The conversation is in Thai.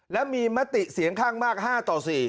และมีมติเสียงข้างมาก๕ต่อ๔